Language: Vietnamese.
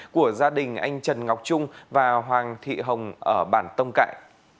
của gia đình anh trần ngọc trung và hoàng thị hồng ở bản tông cạnh